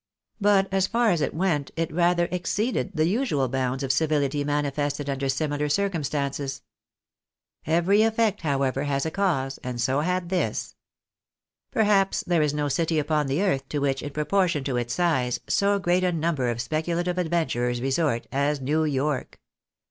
But, as far as it went, it rather exceeded the usual bounds of civility manifested under similar circumstances. Every effect, however, has a cause, and so had this. Perhaps there is no city upon the earth to which, in proportion to its size, so great a number of speculative adven turers resort, as New York.